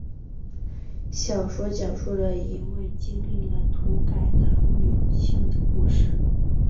小说讲述了一位经历了土改的女性的故事。